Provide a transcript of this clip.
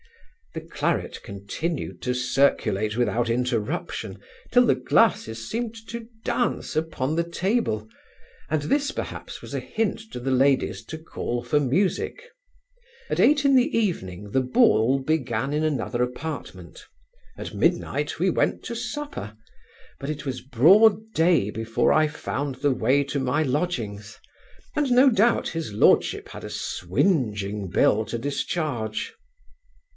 The claret continued to circulate without interruption, till the glasses seemed to dance upon the table, and this, perhaps, was a hint to the ladies to call for music At eight in the evening the ball began in another apartment: at midnight we went to supper; but it was broad day before I found the way to my lodgings; and, no doubt, his Lordship had a swinging bill to discharge.